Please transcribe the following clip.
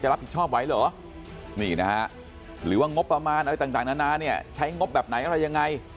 รับผิดชอบไว้เหรอนี่นะฮะหรือว่างบประมาณอะไรต่างนานาเนี่ยใช้งบแบบไหนอะไรยังไง